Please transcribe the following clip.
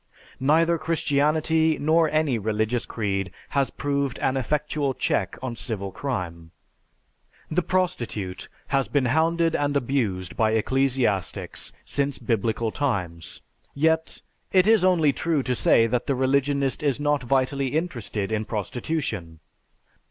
Neither Christianity nor any religious creed has proved an effectual check on civil crime. The prostitute has been hounded and abused by ecclesiastics since Biblical times, yet, it is only true to say that the religionist is not vitally interested in prostitution.